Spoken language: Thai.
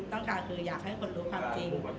ต้องการให้คนอื่นรู้ความจริง